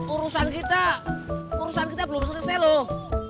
urusan kita urusan kita belum selesai loh